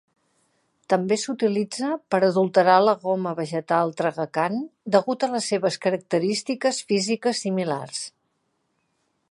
També s'utilitza per adulterar la goma vegetal tragacant degut a les seves característiques físiques similars.